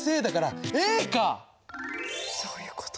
そういうこと。